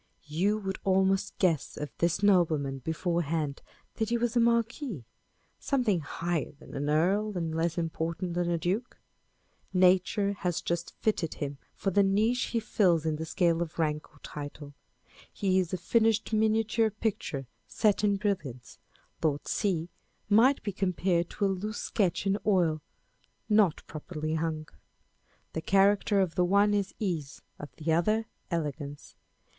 You would almost guess of this nobleman beforehand that he was a marquis â€" something higher than an earl, and less important than a duke. Nature has just fitted him for the niche he fills in the scale of rank or title. He is a finished miniature picture set in brilliants : Lord C might be compared to a loose sketch in oil, not properly hung. The character of the one is ease, of the other, elegance.